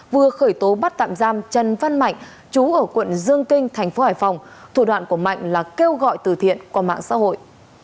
vừa khởi tố bắt tạm giam trần văn mạnh chú ở quận dương kinh thành phố hải phòng thủ đoạn của mạnh là kêu gọi từ thiện qua mạng xã hội